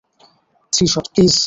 Three shot, please.